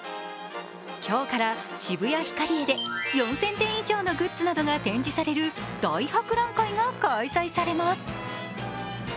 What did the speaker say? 今日から渋谷ヒカリエで４０００点以上のグッズなどが展示される「大博覧会」が開催されます。